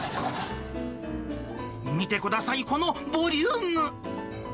見てください、このボリューム。